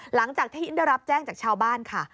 หลังจากที่ได้รับแจ้งจากชาวบ้านค่ะ